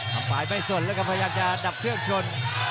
ฝ่ายไม่สนแล้วก็พยายามจะดับเครื่องชน